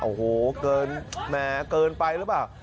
โอ้โหเกินแหมเกินไปหรือเปล่า